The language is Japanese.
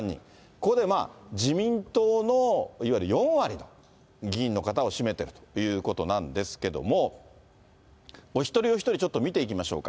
ここで自民党のいわゆる４割の議員の方を占めてるっていうことなんですけども、お一人お一人、ちょっと見ていきましょうか。